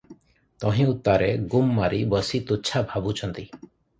ତହିଁ ଉତ୍ତାରେ ଗୁମ୍ ମାରି ବସି ତୁଚ୍ଛା ଭାବୁଛନ୍ତି ।